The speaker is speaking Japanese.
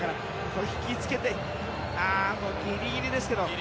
引き付けてギリギリですけど。